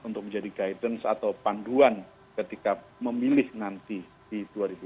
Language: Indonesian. untuk menjadi guidance atau panduan ketika memilih nanti di dua ribu dua puluh